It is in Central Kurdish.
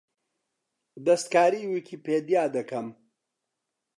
دەستکاریی ویکیپیدیا دەکەم.